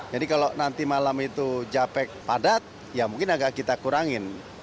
jadi kalau nanti malam itu japek padat ya mungkin agak kita kurangin